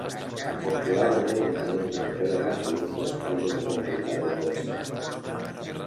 Afortunadament, el tinent recupera la salut després d'una complicada operació.